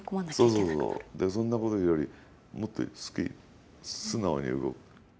そんなことよりもっと好きに素直に動く。